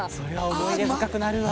思い出深くなるわ。